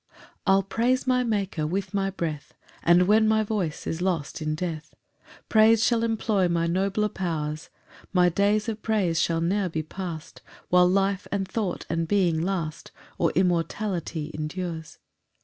1 I'll praise my Maker with my breath; And when my voice is lost in death Praise shall employ my nobler powers: My days of praise shall ne'er he past While life and thought and being last, Or immortality endures.